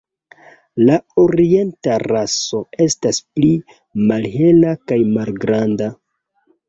La orienta raso estas pli malhela kaj malgranda.